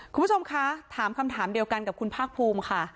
คุณผู้ชมคะถามคำถามเดียวกันกับคุณภาคภูมิค่ะ